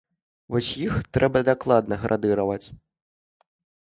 Вось іх трэба дакладна градыраваць.